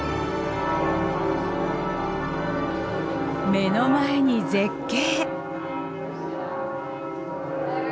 目の前に絶景。